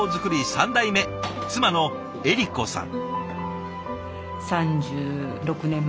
３代目妻の恵利子さん。